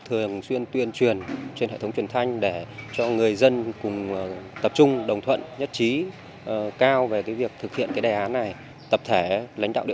thường xuyên tuyên truyền trên hệ thống truyền thanh để cho người dân cùng tập trung đồng thuận nhất trí cao về cái việc thực hiện cái đề án này